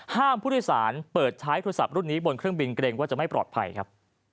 ผู้โดยสารเปิดใช้โทรศัพท์รุ่นนี้บนเครื่องบินเกรงว่าจะไม่ปลอดภัยครับ